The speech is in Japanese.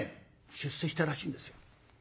出世したらしいんですよ。